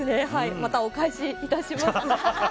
またお返しいたします。